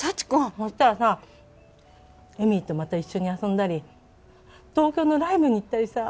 そしたらさエミーとまた一緒に遊んだり東京のライブに行ったりさ